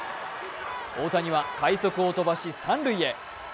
大谷は快足を飛ばし三塁へ。